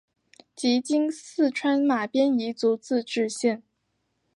即今四川马边彝族自治县。